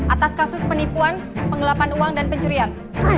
atas kasus penipuan penggelapan uang dan pencurian